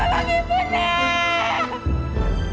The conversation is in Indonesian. tolong ibu nek